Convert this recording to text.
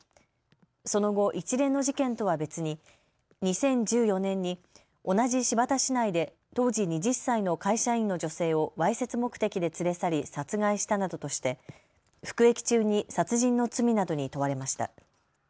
その後、一連の事件とは別に２０１４年に同じ新発田市内で当時２０歳の会社員の女性をわいせつ目的で連れ去り殺害したなどとして服役中に殺人の罪などに問われました。